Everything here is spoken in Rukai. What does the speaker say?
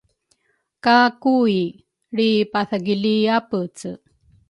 ka Kui lri-pathagili apece.